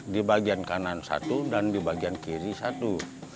di bagian kanan satu dan di bagian kiri satu